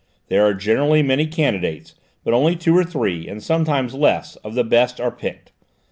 There are generally many candidates, but only two or three, and sometimes less, of the best are picked.